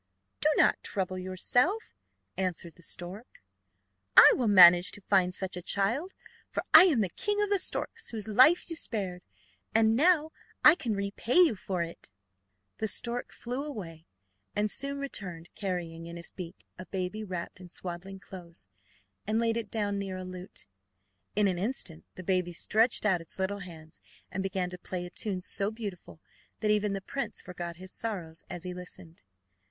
"Do not trouble yourself," answered the stork. "I will manage to find such a child, for I am the king of the storks whose life you spared, and now I can repay you for it." The stork flew away and soon returned carrying in his beak a baby wrapped in swaddling clothes, and laid it down near a lute. In an instant the baby stretched out its little hands and began to play a tune so beautiful that even the prince forgot his sorrows as he listened.